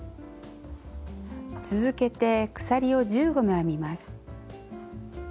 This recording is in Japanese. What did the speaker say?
続けて鎖を１５目編みます。